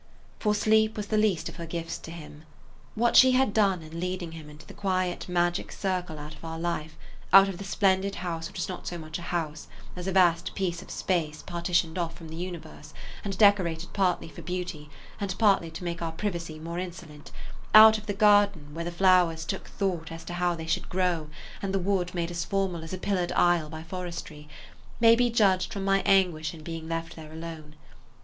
For sleep was the least of her gifts to him. What she had done in lead [Page 141] ing him into the quiet magic circle out of our life, out of the splendid house which was not so much a house as a vast piece of space partitioned off from the universe and decorated partly for beauty and partly to make our privacy more insolent, out of the garden where the flowers took thought as to how they should grow and the wood made as formal as a pillared aisle by forestry, may be judged from my anguish in being left there alone.